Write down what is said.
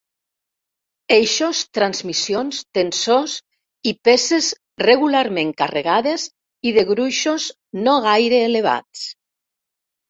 Eixos, transmissions, tensors i peces regularment carregades i de gruixos no gaire elevats.